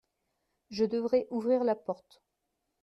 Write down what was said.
Je devrais ouvrir la porte.